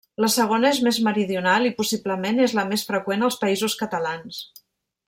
La segona és més meridional i possiblement és la més freqüent als Països Catalans.